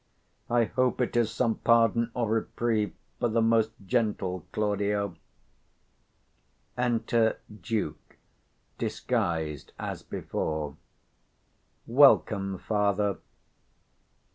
65 I hope it is some pardon or reprieve For the most gentle Claudio. Enter DUKE disguised as before. Welcome, father.